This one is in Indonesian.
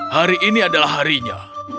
hari ini adalah harinya